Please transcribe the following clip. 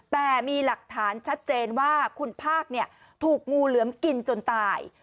แต่มีหลักฐานชัดเจนว่าคุณภาคถูกงูเหลือมกินจนตาย